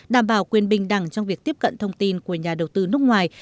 đảm bảo quyền bình đẳng trong việc tiếp cận thông tin của nhà đầu tư nước ngoài